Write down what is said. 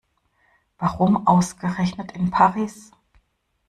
Warum ausgerechnet in Paris?